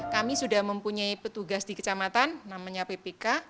kami sudah mempunyai petugas di kecamatan namanya ppk